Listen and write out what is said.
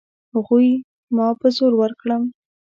هغوی ما په زور ورکړم.